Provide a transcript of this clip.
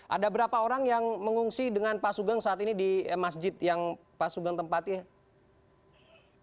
ada berapa orang yang mengungsi dengan pak sugeng saat ini di masjid yang pak sugeng tempatin